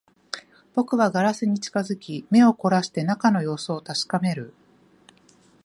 僕はガラスに近づき、目を凝らして中の様子を確かめる